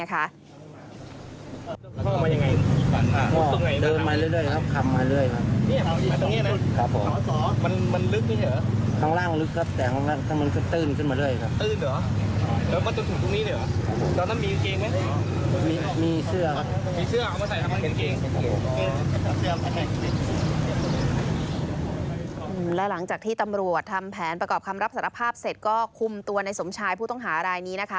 และหลังจากที่ตำรวจทำแผนประกอบคำรับสารภาพเสร็จก็คุมตัวในสมชายผู้ต้องหารายนี้นะคะ